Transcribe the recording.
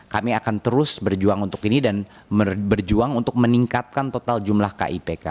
kami akan terus berjuang untuk ini dan berjuang untuk meningkatkan total jumlah kipk